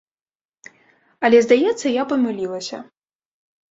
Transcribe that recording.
Але, здаецца, я памылілася.